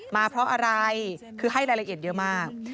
มาเพราะอะไรคือให้รายละเอียดเยอะมาก